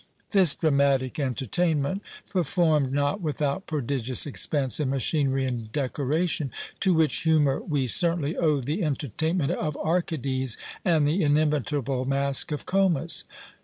"This dramatic entertainment, performed not without prodigious expense in machinery and decoration, to which humour we certainly owe the entertainment of 'Arcades,' and the inimitable Mask of 'Comus.'"